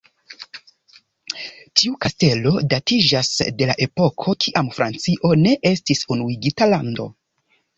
Tiu kastelo datiĝas de la epoko kiam Francio ne estis unuigita lando.